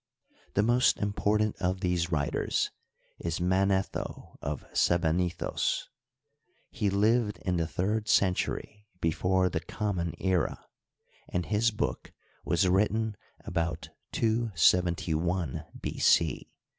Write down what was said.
The most important of these writers is Manetho of Sebennytkos, He lived in the third century before the common era, and his book was written about 271 B.C.